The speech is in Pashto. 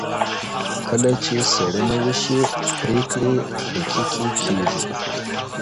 کله چې څېړنه وشي، پرېکړې دقیقې کېږي.